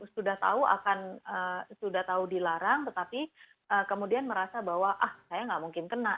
sudah tahu akan sudah tahu dilarang tetapi kemudian merasa bahwa ah saya nggak mungkin kena